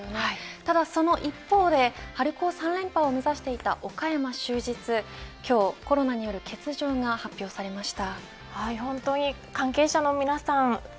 ただその一方で、春高３連覇を目指していた岡山就実今日コロナによる欠場が発表されました。